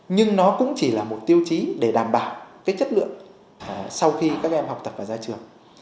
nhưng nó cũng chỉ là một tiêu chí để đảm bảo cái chất lượng sau khi các em học tập ở ra trường